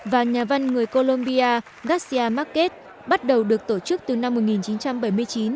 và nhà văn người colombia gassia market bắt đầu được tổ chức từ năm một nghìn chín trăm bảy mươi chín